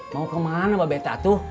mau kemana bapak betatu